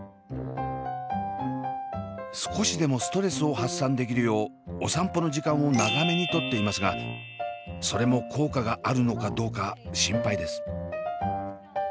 少しでもストレスを発散できるようお散歩の時間を長めに取っていますがそれも効果があるのかどうか心配です。